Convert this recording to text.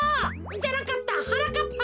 じゃなかったはなかっぱ。